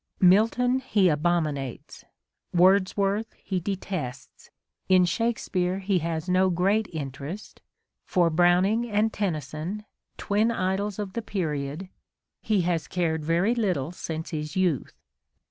Milton he abominates, Wordsworth he detests : in Shakespeare he has no great interest : for Browning and Tennyson, twin idols of the period, he has cared very little since his youth.